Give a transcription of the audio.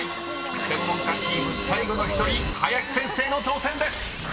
［専門家チーム最後の１人林先生の挑戦です］